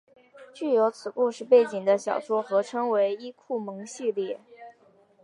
具有此故事背景的小说合称为伊库盟系列。